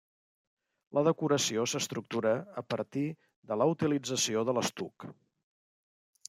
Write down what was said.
La decoració s'estructura a partir de la utilització de l'estuc.